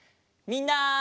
みんな！